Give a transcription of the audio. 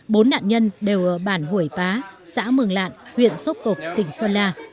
bốn nạn nhân đều ở bản hủy pá xã mường lạn huyện sốp cộp tỉnh sơn la